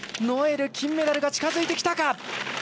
ノエル、金メダルが近づいてきたか。